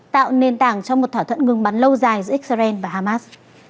tạo nền tảng cho một thỏa thuận ngừng bắn lâu dài giữa israel và hamas